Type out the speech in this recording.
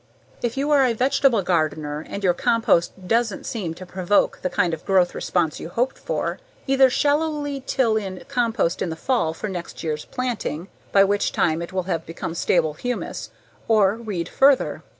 If you are a vegetable gardener and your compost doesn't seem to provoke the kind of growth response you hoped for, either shallowly till in compost in the fall for next year's planting, by which time it will have become stable humus, or read further.